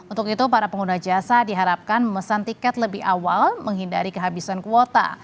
untuk itu para pengguna jasa diharapkan memesan tiket lebih awal menghindari kehabisan kuota